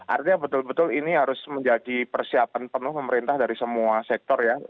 artinya betul betul ini harus menjadi persiapan penuh pemerintah dari semua sektor ya